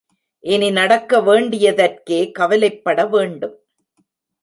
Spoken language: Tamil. இனி நடக்க வேண்டியதற்கே கவலைப் படவேண்டும்.